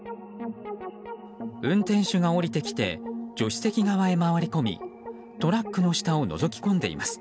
運転手が降りてきて助手席側へ回り込みトラックの下をのぞき込んでいます。